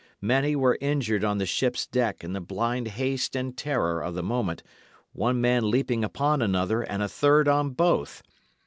Many were injured on the ship's deck in the blind haste and terror of the moment, one man leaping upon another, and a third on both.